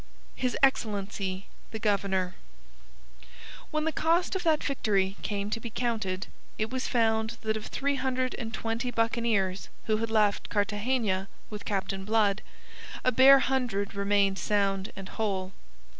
HIS EXCELLENCY THE GOVERNOR When the cost of that victory came to be counted, it was found that of three hundred and twenty buccaneers who had left Cartagena with Captain Blood, a bare hundred remained sound and whole.